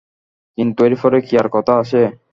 কিন্তু এর পরে কি আর কথা আছে?